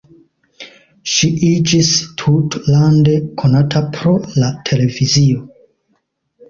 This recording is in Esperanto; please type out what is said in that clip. Ŝi iĝis tutlande konata pro la televizio.